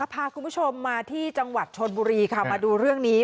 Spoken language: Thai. พาคุณผู้ชมมาที่จังหวัดชนบุรีค่ะมาดูเรื่องนี้